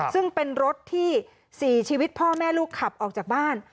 ซึ่งเป็นรถที่๔ชีวิตพ่อแม่ลูกขับออกจากบ้าน